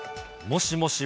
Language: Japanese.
もしもし。